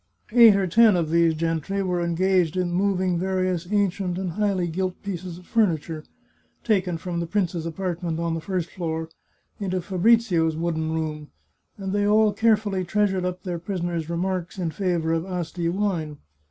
Eight or ten of these gentry were engaged in moving various ancient and highly gilt pieces of furniture, taken from the prince's apartments on the first floor, into Fabrizio's wooden room, and they all carefully treasured up 328 The Chartreuse of Parma their prisoner's remark in favour of Asti wine.